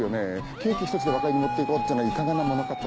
ケーキ１つで和解に持っていこうというのはいかがなものかと。